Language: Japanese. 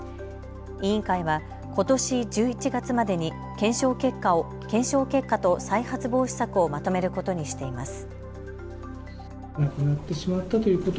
委員会はことし１１月までに検証結果と再発防止策をまとめることにしています。